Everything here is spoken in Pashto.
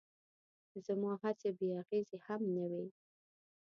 زما هڅې بې اغېزې هم نه وې.